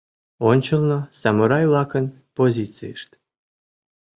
Ончылно самурай-влакын позицийышт.